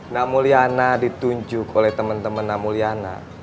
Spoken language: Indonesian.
namulyana ditunjuk oleh teman teman namulyana